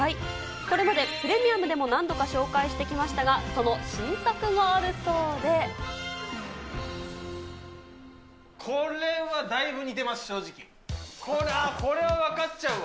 これまでプレミアムでも何度か紹介してきましたが、その新作があこれはだいぶ似てます、これはわかっちゃうわ。